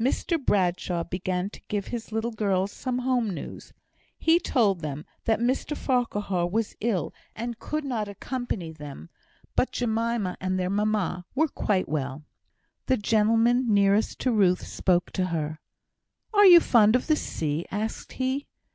Mr Bradshaw began to give his little girls some home news. He told them that Mr Farquhar was ill, and could not accompany them; but Jemima and their mamma were quite well. The gentleman nearest to Ruth spoke to her. "Are you fond of the sea?" asked he.